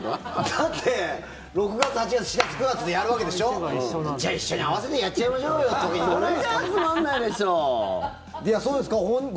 だって、６月、８月７月、９月でやるわけでしょ。じゃあ一緒に合わせてやっちゃいましょうよとかいかないんですかね。